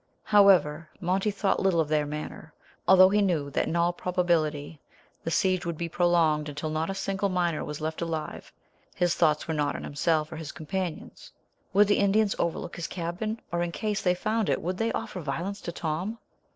However Monty thought little of their manner. Although he knew that in all probability the siege would be prolonged until not a single miner was left alive, his thoughts were not on himself or his companions. Would the Indians overlook his cabin, or in case they found it, would they offer violence to Tom?